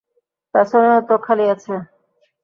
পেছনেও তো খালি আছে।